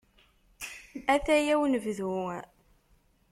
Ataya unebdu.